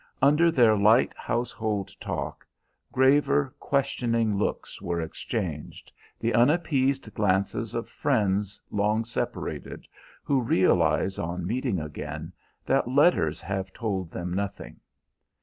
Under their light household talk, graver, questioning looks were exchanged, the unappeased glances of friends long separated, who realize on meeting again that letters have told them nothing.